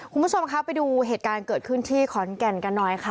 คุณผู้ชมคะไปดูเหตุการณ์เกิดขึ้นที่ขอนแก่นกันหน่อยค่ะ